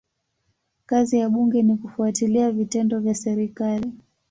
Kazi ya bunge ni kufuatilia vitendo vya serikali.